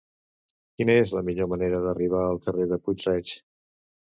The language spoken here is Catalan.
Quina és la millor manera d'arribar al carrer de Puig-reig?